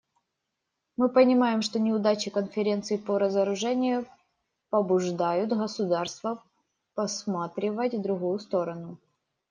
Мы понимаем, что неудачи Конференции по разоружению побуждают государства посматривать в другую сторону.